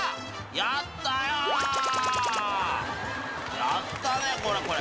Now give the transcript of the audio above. やったねこれこれ。